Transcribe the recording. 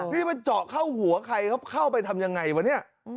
นี่มันเจาะเข้าหัวใครเข้าไปทำอย่างไรวะนี่